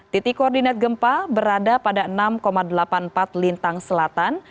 titik koordinat gempa berada pada enam delapan puluh empat lintang selatan